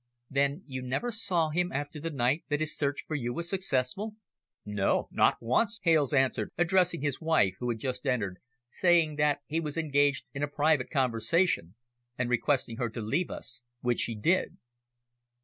"Then you never saw him after the night that his search for you was successful?" "No, not once," Hales answered, addressing his wife, who had just entered, saying that he was engaged in a private conversation, and requesting her to leave us, which she did.